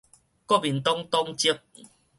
國民黨黨籍